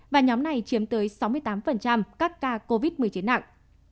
và nhóm này chiếm tới sáu mươi tám các ca covid một mươi chín nặng